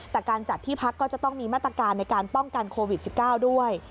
แต่การจัดที่พักก็จะต้องมีมาตรการในการป้องกันโควิด๑๙ด้วย